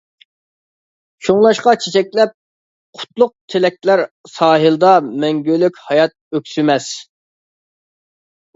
شۇڭلاشقا چېچەكلەپ قۇتلۇق تىلەكلەر ساھىلدا مەڭگۈلۈك ھايات ئۆكسۈمەس.